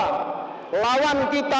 kawan kita adalah lawan kita